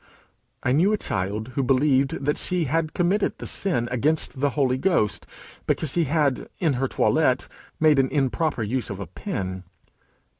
I knew a child who believed she had committed the sin against the Holy Ghost, because she had, in her toilette, made an improper use of a pin.